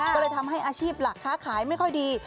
ก็เลยทำให้อาชีพหลักค้าขายไม่ค่อยดี